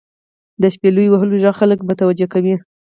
• د شپیلو وهلو ږغ خلک متوجه کوي.